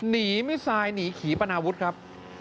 นี่มิสไซล์หนีขี่ปนาวุฒิครับ